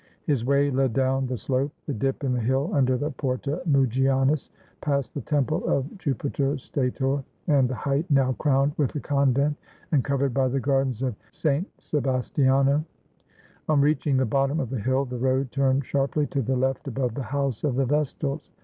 His way led down the slope, the dip in the hill under the Porta Mugionis, past the temple of Jupitor Stator and the height now crowned with the convent and covered by the gardens of S. Se bastiano. On reaching the bottom of the hill the road turned sharply to the left above the house of the vestals.